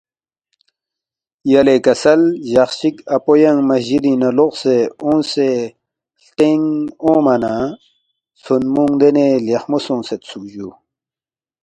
یلے کسل جق چِک اپو ینگ مسجدِنگ نہ لوقسے اونگسے ہلتین اونگما نہ ژھونمونگ دینے لیخمو سونگسیدسُوک جُو